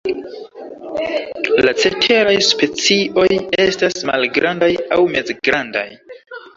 La ceteraj specioj estas malgrandaj aŭ mezgrandaj.